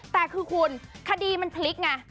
แต่คือคุณคดีมันพลิกไง